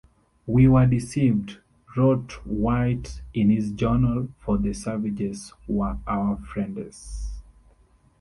"We were deceaved," wrote White in his journal, "for the savages were our friendes.